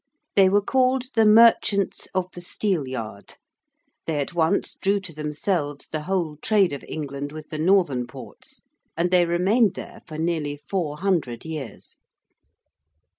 They were called the Merchants of the Steelyard: they at once drew to themselves the whole trade of England with the northern ports: and they remained there for nearly 400 years.